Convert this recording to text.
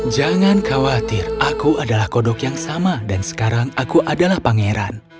jangan khawatir aku adalah kodok yang sama dan sekarang aku adalah pangeran